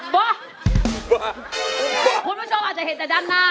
คุณผู้ชมอาจจะเห็นแต่ด้านหน้า